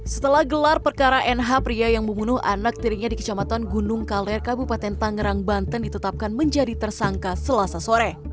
setelah gelar perkara nh pria yang membunuh anak tirinya di kecamatan gunung kaler kabupaten tangerang banten ditetapkan menjadi tersangka selasa sore